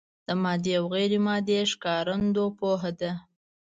د مادي او غیر مادي ښکارندو پوهه ده.